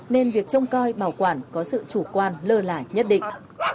nên việc trông coi bảo quản có sự chủ quan lơ là nhất định